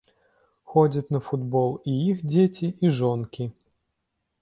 Ходзяць на футбол і іх дзеці, і жонкі.